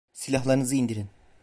Silahlarınızı indirin.